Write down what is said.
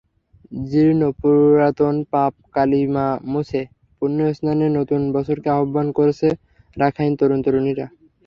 জীর্ণ পুরাতন, পাপ, কালিমা মুছে পুণ্যস্নানে নতুন বছরকে আবাহন করছে রাখাইন তরুণ-তরুণীরা।